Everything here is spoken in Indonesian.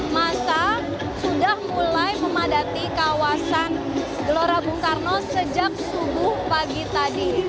masa sudah mulai memadati kawasan gelora bung karno sejak subuh pagi tadi